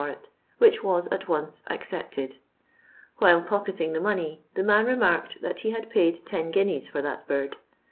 for it, which was at once accepted ; while pocketing the money, the man remarked that he had paid ten guineas for that bird.